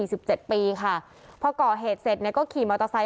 สิบเจ็ดปีค่ะพอก่อเหตุเสร็จเนี่ยก็ขี่มอเตอร์ไซค